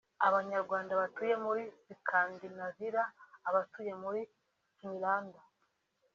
Abanyarwanda batuye muri Scandinavira abatuye muri Finland